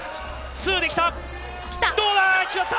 ツーで来た。